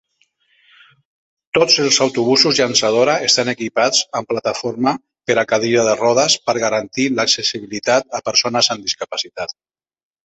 Tots els autobusos llançadora estan equipats amb plataforma per a cadira de rodes per garantir l'accessibilitat a persones amb discapacitat.